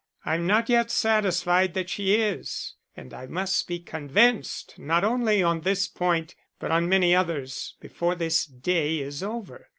I'm not yet satisfied that she is, and I must be convinced not only on this point but on many others, before this day is over.